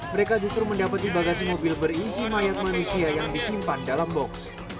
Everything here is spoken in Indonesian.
mereka justru mendapati bagasi mobil berisi mayat manusia yang disimpan dalam box